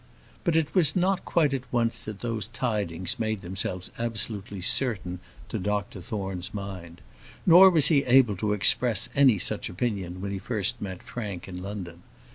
But it was not quite at once that those tidings made themselves absolutely certain to Dr Thorne's mind; nor was he able to express any such opinion when he first met Frank in London.